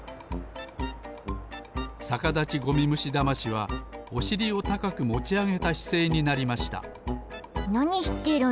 サカダチゴミムシダマシはおしりをたかくもちあげたしせいになりましたなにしてるんだろ？